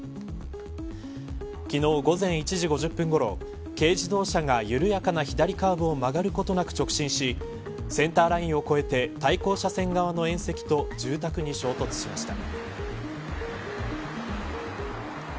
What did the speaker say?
昨日午前１時５０分ごろ軽自動車が緩やかな左カーブを曲がることなく直進しセンターラインを越えて対向車線側の縁石と住宅に衝突しました。